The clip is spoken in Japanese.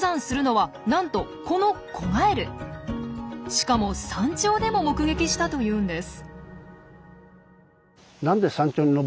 しかも山頂でも目撃したというんです。